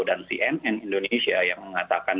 cnn indonesia yang mengatakan